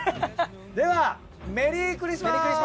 ではメリークリスマス！